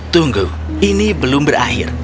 tunggu ini belum berakhir